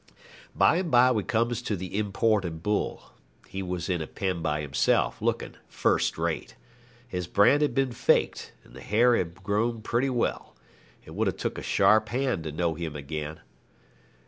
By and by we comes to the imported bull. He was in a pen by himself, looking first rate. His brand had been faked, and the hair had grown pretty well. It would have took a sharp hand to know him again.